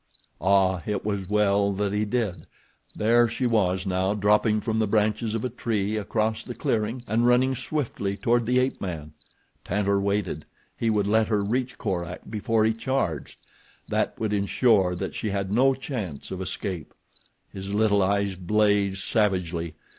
Ah! It was well that he did! There she was now dropping from the branches of a tree across the clearing and running swiftly toward the ape man. Tantor waited. He would let her reach Korak before he charged—that would ensure that she had no chance of escape. His little eyes blazed savagely.